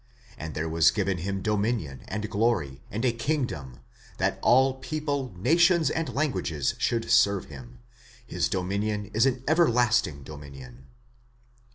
And there was given him dominion, and glory, and a kingdom, that all people, nations and languages should serve him: his dominion ts an everlasting dominion.